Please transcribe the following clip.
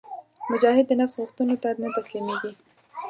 مجاهد د نفس غوښتنو ته نه تسلیمیږي.